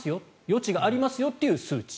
余地がありますよという数値。